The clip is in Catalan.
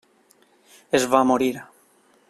Es va morir.